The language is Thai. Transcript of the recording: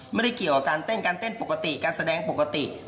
ไม่ได้เกี่ยวกับการเต้นการเต้นปกติการแสดงปกติ